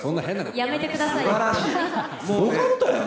やめてくださいよ。